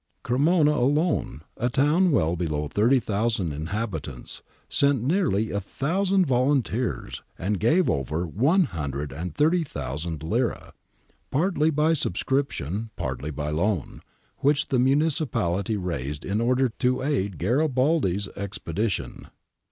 Cremona alone, a town well below thirty thousand inhabitants, sent nearly a thousand volunteers and gave over 130,000 lire, partly by subscription, partly by a loan which the municipality raised in order to aid Garibaldi's expedition.